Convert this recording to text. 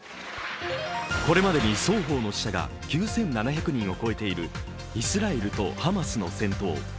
これまでに双方の死者が９７００人を超えているイスラエルとハマスの戦闘。